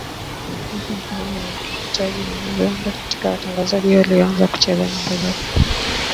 Mike mhagama na taji lihundi ndio watangazaji walioanza kucheza nyimbo za bongofleva